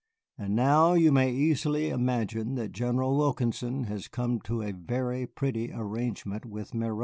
And now you may easily imagine that General Wilkinson has come to a very pretty arrangement with Miro.